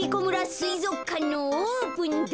すいぞくかんのオープンだ。